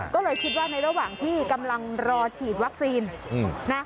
ก็เลยคิดว่าในระหว่างที่กำลังรอฉีดวัคซีนนะ